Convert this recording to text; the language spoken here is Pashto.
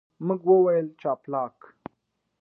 موږ وویل، جاپلاک.